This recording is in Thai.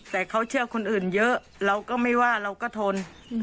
แต่เขาเชื่อคนอื่นเยอะเราก็ไม่ว่าเราก็ทน